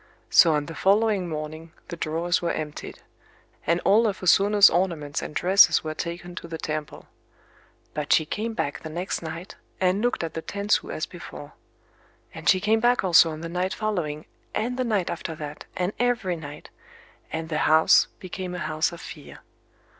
So on the following morning the drawers were emptied; and all of O Sono's ornaments and dresses were taken to the temple. But she came back the next night, and looked at the tansu as before. And she came back also on the night following, and the night after that, and every night;—and the house became a house of fear.